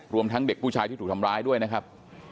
ทั้งเด็กผู้ชายที่ถูกทำร้ายด้วยนะครับ